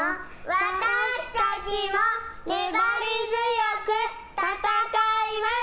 私たちも粘り強く戦います！